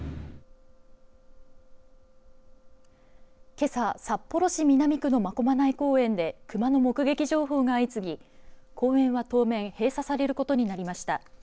けさ札幌市南区の真駒内公園で熊の目撃情報が相次ぎ公園は当面閉鎖されることになりました。